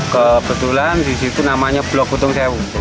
kebetulan di situ namanya blok utung sewu